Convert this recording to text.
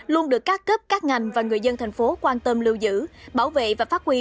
luôn được các cấp các ngành và người dân thành phố quan tâm lưu giữ bảo vệ và phát huy